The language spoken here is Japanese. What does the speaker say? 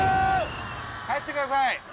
帰ってください。